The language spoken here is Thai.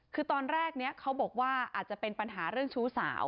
คือตอนแรกนี้เขาบอกว่าอาจจะเป็นปัญหาเรื่องชู้สาว